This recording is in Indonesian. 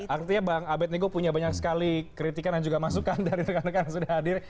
artinya bang abed nego punya banyak sekali kritikan dan juga masukan dari rekan rekan yang sudah hadir